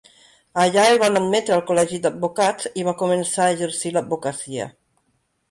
Allà el van admetre al col·legi d'advocats i va començar a exercir l'advocacia.